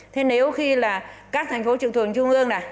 thế nếu khi là các thành phố trực thuộc trung ương nè